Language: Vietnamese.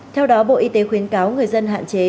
theo đó bộ y tế khuyến cáo người dân hạn chế